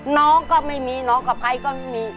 น้องก็ไม่มีน้องกับใครก็มี